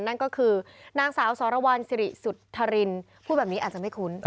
นั่นก็คือนางสาวสรวรรณสิริสุทธรินพูดแบบนี้อาจจะไม่คุ้น